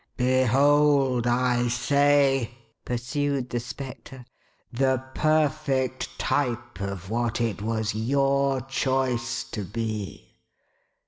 "Behold, I say," pursued the Spectre, "the perfect type of what it was your choice to be.